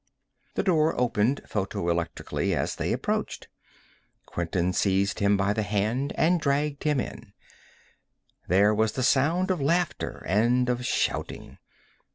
The door opened photoelectrically as they approached. Quinton seized him by the hand and dragged him in. There was the sound of laughter and of shouting.